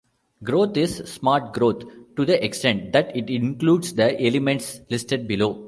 Growth is "smart growth", to the extent that it includes the elements listed below.